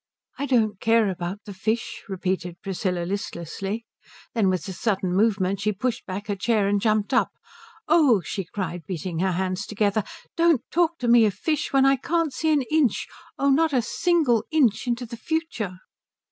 "I don't care about the fish," repeated Priscilla listlessly. Then with a sudden movement she pushed back her chair and jumped up. "Oh," she cried, beating her hands together, "don't talk to me of fish when I can't see an inch oh not a single inch into the future!"